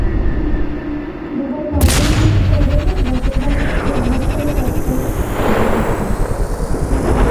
দুবার কাপুনি দিয়ে জ্বর এলে বাপের বাড়িতে পেন্নাম করে কর্তার কাছে ছুটবে তখন।